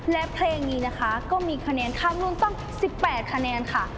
และเพลงนี้นะคะก็มีคะแนนข้ามรุ่นตั้ง๑๘คะแนนค่ะ